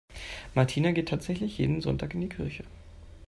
Martina geht tatsächlich jeden Sonntag in die Kirche.